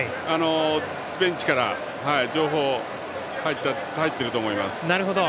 ベンチから情報が入っていると思います。